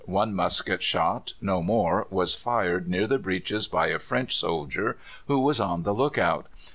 One musket shot (no more) was fired near the breaches by a French soldier who was on the look out.